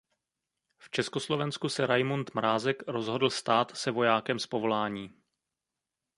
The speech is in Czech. V Československu se Raimund Mrázek rozhodl stát se vojákem z povolání.